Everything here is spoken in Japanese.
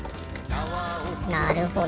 なるほど。